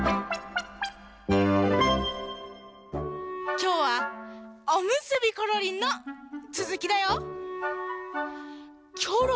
きょうは「おむすびころりん」のつづきだよ。